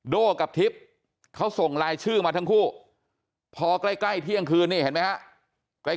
โด้กับทิศเขาส่งไลน์ชื่อมาทั้งคู่พอใกล้เที่ยงคืนนี้เห็นไหมคะ